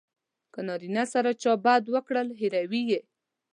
که نارینه سره چا بد وکړل هیروي یې.